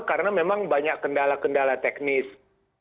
karena memang banyak kendala kendala teknis